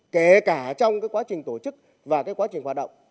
kể cả trong quá trình tổ chức và quá trình hoạt động